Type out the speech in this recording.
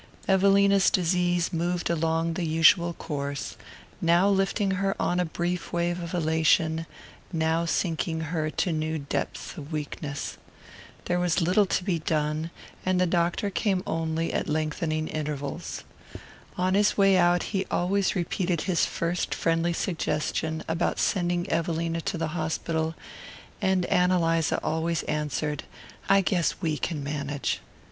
Evelina's disease moved on along the usual course, now lifting her on a brief wave of elation, now sinking her to new depths of weakness. There was little to be done, and the doctor came only at lengthening intervals. On his way out he always repeated his first friendly suggestion about sending Evelina to the hospital; and Ann Eliza always answered: "I guess we can manage."